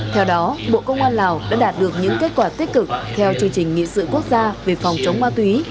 theo đó bộ công an lào đã đạt được những kết quả tích cực theo chương trình nghị sự quốc gia về phòng chống ma túy